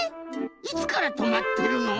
いつからとまってるの？